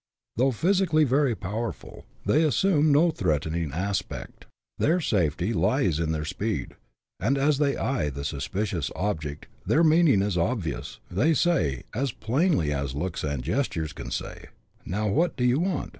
Though physically very powerful, they CHAP. VII.] ENTIRE HORSES. 75 assume no threatening aspect : their safety lies in their speed ; and as they eye the suspicious object, their meaning is obvious — they say, as plainly as looks and gestures can say, Now what do you want?